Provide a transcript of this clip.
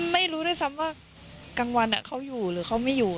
ไม่รู้ด้วยซ้ำว่ากลางวันเขาอยู่หรือเขาไม่อยู่